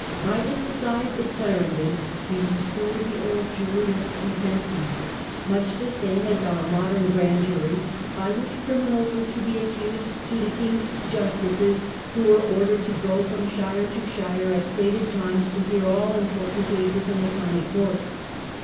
By Clarendon, this "Assize of Clarendon" he restored the '*^' old jury of presentment (much the same as our modem grand jury), by which criminals were to be accused to the king's justices, who were ordered to go from shire to shire at stated times to hear all important cases in the county courts.